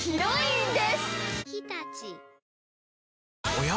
おや？